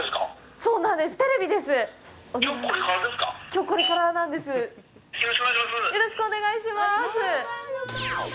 きょう、これからなんです！